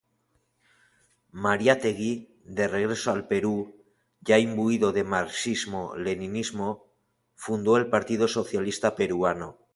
Mariátegui, de regreso al Perú, ya imbuido de marxismo-leninismo, fundó el Partido Socialista Peruano.